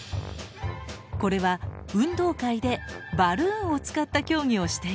これは運動会でバルーンを使った競技をしているところ。